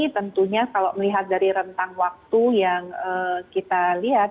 tentunya kalau melihat dari rentang waktu yang kita lihat